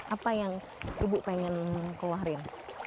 apa yang ibu pengen keluarin